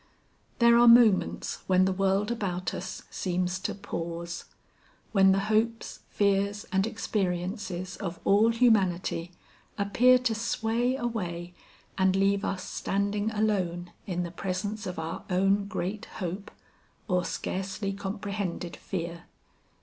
There are moments when the world about us seems to pause; when the hopes, fears and experiences of all humanity appear to sway away and leave us standing alone in the presence of our own great hope or scarcely comprehended fear.